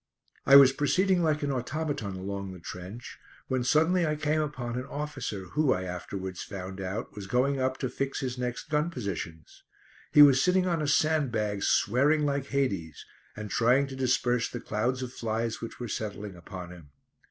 I was proceeding like an automaton along the trench when suddenly I came upon an officer who, I afterwards found out, was going up to fix his next gun positions. He was sitting on a sandbag swearing like Hades, and trying to disperse the clouds of flies which were settling upon him.